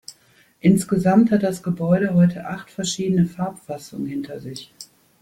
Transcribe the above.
Insgesamt hat das Gebäude heute acht verschiedene Farbfassungen hinter sich.